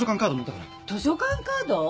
図書館カード？